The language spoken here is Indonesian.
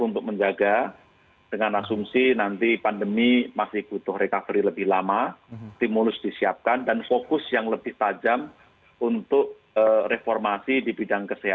untuk tahun dua ribu dua puluh rasanya kita tetap harus optimis